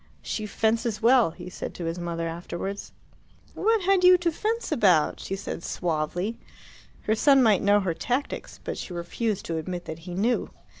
"She fences well," he said to his mother afterwards. "What had you to fence about?" she said suavely. Her son might know her tactics, but she refused to admit that he knew.